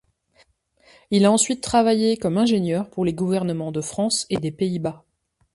Il a ensuite travaillé comme ingénieur pour les gouvernements de France et des Pays-Bas.